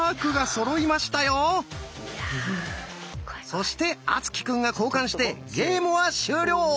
そして敦貴くんが交換してゲームは終了。